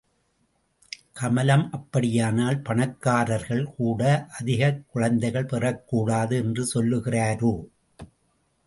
கமலம் அப்படியானால் பணக்காரர்கள் கூட அதிகக் குழந்தைகள் பெறக்கூடாது என்று சொல்லுகிறாரோ?